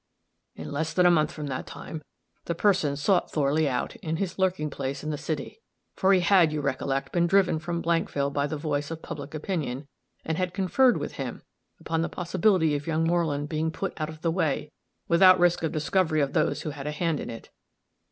In less than a month from that time, the person had sought Thorley out, in his lurking place in the city for he had, you recollect, been driven from Blankville by the voice of public opinion and had conferred with him upon the possibility of young Moreland being put out of the way, without risk of discovery of those who had a hand in it.